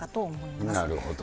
なるほど。